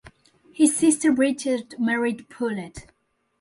His sister Bridget married Powlett.